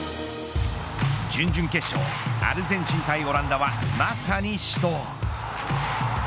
準々決勝アルゼンチン対オランダはまさに死闘。